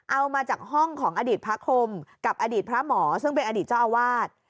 เอามาจากห้องของอดีตพระคมกับอดีตพระหมอซึ่งเป็นอดีตเจ้าอาวาส